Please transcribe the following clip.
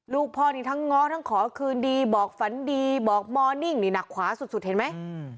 ลูกพ่อนี่ทั้งง้อทั้งขอคืนดีบอกฝันดีบอกมอนิ่งนี่หนักขวาสุดเห็นไหม